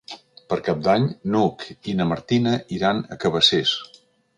Per Cap d'Any n'Hug i na Martina iran a Cabacés.